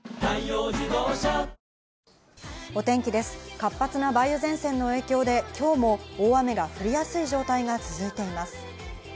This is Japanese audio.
活発な梅雨前線の影響で今日も大雨が降りやすい状態が続いています。